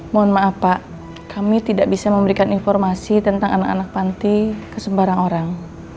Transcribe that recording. mohon maaf pak kami tidak bisa memberikan informasi tentang anak anak panti ke sembarang orang